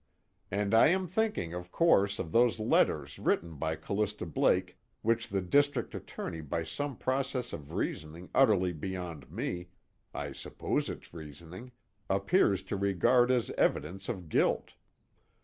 "And I am thinking, of course, of those letters written by Callista Blake which the District Attorney by some process of reasoning utterly beyond me I suppose it's reasoning appears to regard as evidence of guilt.